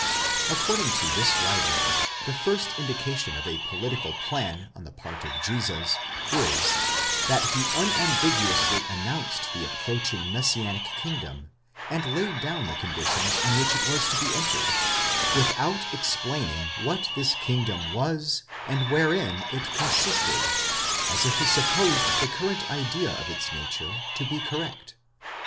According to this writer, the first indication of a political plan on the part of Jesus is, that he unambiguously announced the approaching messianic kingdom, and laid down the conditions on which it was to be entered, without explaining what this kingdom was, and wherein it consisted,? as if he supposed the current idea of its nature to be correct.